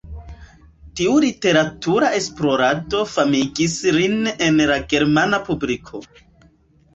Tiu literatura esplorado famigis lin en la germana publiko.